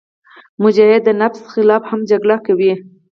مجاهد د نفس خلاف هم جګړه کوي.